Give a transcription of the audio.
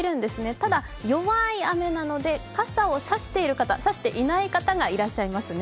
ただ、弱い雨なので傘を差している方、いない方がいらっしゃいますね。